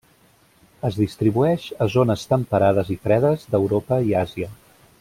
Es distribueix a zones temperades i fredes d'Europa i Àsia.